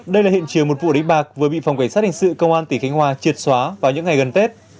đây là hiện trường một vụ đánh bạc vừa bị phòng cảnh sát hình sự công an tỉnh khánh hòa triệt xóa vào những ngày gần tết